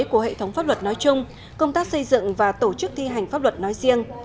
của hệ thống pháp luật nói chung công tác xây dựng và tổ chức thi hành pháp luật nói riêng